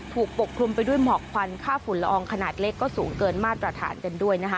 ปกคลุมไปด้วยหมอกควันค่าฝุ่นละอองขนาดเล็กก็สูงเกินมาตรฐานกันด้วยนะคะ